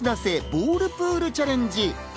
ボールプールチャレンジ！